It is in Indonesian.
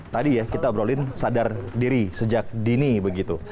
tadi ya kita obrolin sadar diri sejak dini begitu